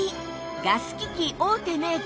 ガス機器大手メーカー